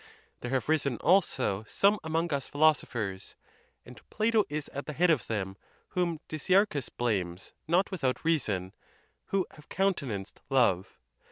There have arisen also some among us philosophers (and Plato is at the head of them, whom Diczarchus blames not without reason) who have countenanced love.